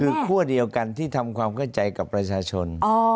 คือคั่วเดียวกันที่ทำความเข้าใจกับประชาชน